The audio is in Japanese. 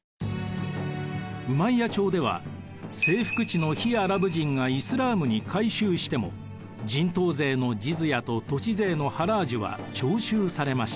ウマイヤ朝では征服地の非アラブ人がイスラームに改宗しても人頭税のジズヤと土地税のハラージュは徴収されました。